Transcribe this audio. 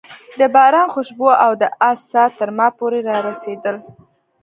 د باران خوشبو او د آس ساه تر ما پورې رارسېدل.